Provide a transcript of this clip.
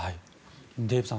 デーブさん